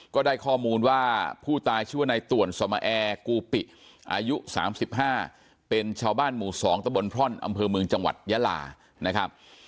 ก็ได้ข้อมูลว่าผู้ตายชื่อว่าในต่วนสมแอร์กูปิอายุ๓๕เป็นชาวบ้านหมู่๒ตะบนพร่อนอำเภอเมืองจังหวัดยาลานะครับ